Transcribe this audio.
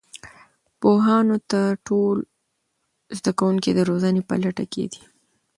پوهانو ته ټول زده کوونکي د روزنې په لټه کې دي.